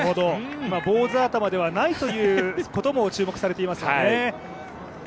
坊主頭ではないということも注目されてますね。